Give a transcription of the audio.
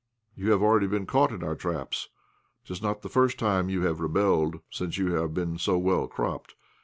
You have already been caught in our traps. 'Tis not the first time you have rebelled, since you have been so well cropped.